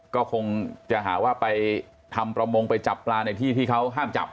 ก็คงจะหาว่าไปทำประมงไปจับปลาในที่ที่เขาห้ามจับ